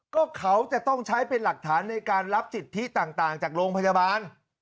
ก็เขาจะต้องใช้เป็นหลักฐานในการรับสิทธิต่างจากโรงพยาบาล